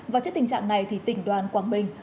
và trước tình trạng này thì tỉnh đoàn quảng bình